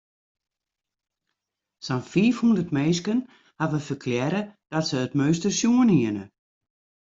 Sa'n fiifhûndert minsken hawwe ferklearre dat se it meunster sjoen hiene.